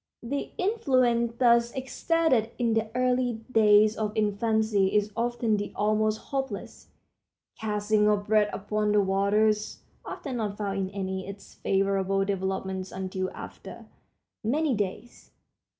The influence thus exerted in the early days of infancy is often the almost hopeless "casting of bread upon the waters"—often not found in any of its favorable developments until after "many days."